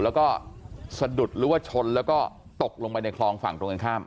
แล้วก็สะดุดหรือว่าชนแล้วก็ตกลงไปในคลองฝั่งตรงกันข้าม